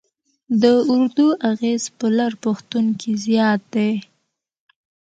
د اردو اغېز په لر پښتون کې زیات دی.